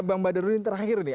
bang badarudin terakhir nih